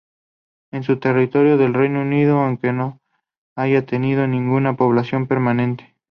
Es un territorio del Reino Unido, aunque no haya tenido ninguna población permanente.